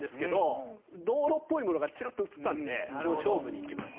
道路っぽいものがチラッと映ったんでもう勝負にいきました。